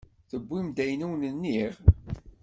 Tewwim-d ayen i wen-nniɣ?